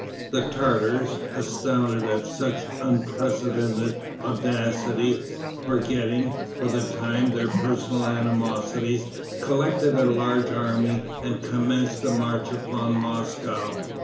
The Tartars, astounded at such unprecedented audacity, forgetting, for the time, their personal animosities, collected a large army, and commenced a march upon Moscow.